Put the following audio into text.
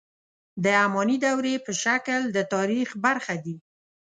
د اماني دورې په شکل د تاریخ برخه دي.